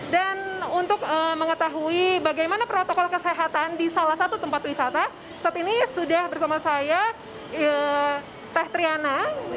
dan untuk mengetahui bagaimana protokol kesehatan di salah satu tempat wisata saat ini sudah bersama saya teh triana